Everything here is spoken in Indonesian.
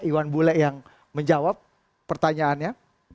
iwan bule yang menjawab pertanyaannya